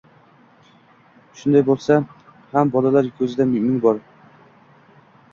Shunday bo‘lsa ham bolalar ko‘zida mung bor.